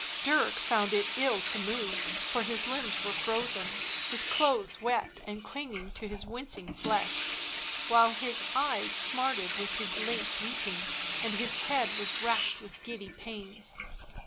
Dirk found it ill to move, for his limbs were frozen, his clothes wet and clinging to his wincing flesh, while his eyes smarted with his late weeping, and his head was racked with giddy pains.